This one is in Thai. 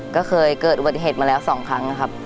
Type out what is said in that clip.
ก็เคยเกิดอุบัติเหตุมาแล้ว๒ครั้งนะครับ